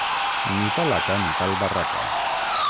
Ni tal haca ni tal barraca.